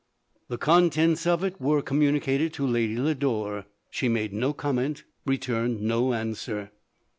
The contents of it were communicated to Lady Lodore. She made no comment — returned no answer.